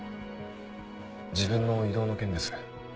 自分の異動の件です。